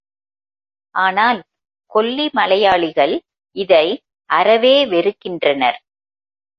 ஆனால் கொல்லி மலையாளிகள் இதை அறவே வெறுக்கின்றனர்.